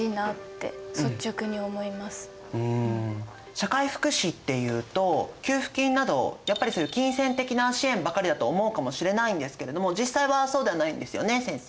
社会福祉っていうと給付金などやっぱり金銭的な支援ばかりだと思うかもしれないんですけれども実際はそうではないんですよね先生。